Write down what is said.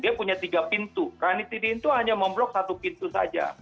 dia punya tiga pintu ranitidin itu hanya memblok satu pintu saja